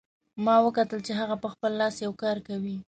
ما وکتل چې هغه په خپل لاس یو کار کوي